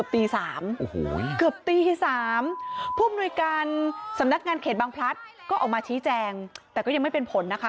ตี๓เกือบตี๓ผู้อำนวยการสำนักงานเขตบางพลัดก็ออกมาชี้แจงแต่ก็ยังไม่เป็นผลนะคะ